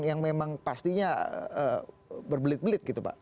yang memang pastinya berbelit belit gitu pak